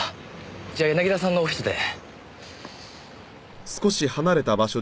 じゃあ柳田さんのオフィスで。